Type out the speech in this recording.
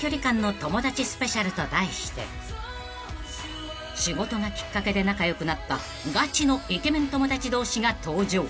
［と題して仕事がきっかけで仲良くなったガチのイケメン友達同士が登場］